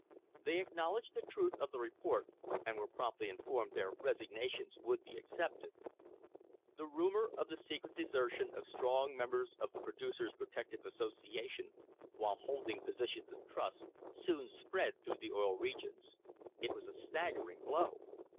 They acknowledged the truth of the report and were promptly informed their resignations would be accepted. The rumour of the secret desertion of strong members of the Producers' Protective Association, while holding posi tions of trust, soon spread through the Oil Regions. It was a staggering blow.